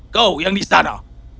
kau yang di sana